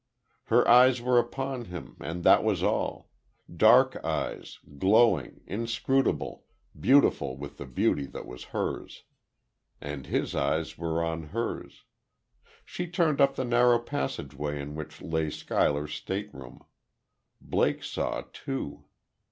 Her eyes were upon him; and that was all dark eyes, glowing, inscrutable, beautiful with the beauty that was hers. And his eyes were on hers.... She turned up the narrow passageway in which lay Schuyler's stateroom.... Blake saw, too.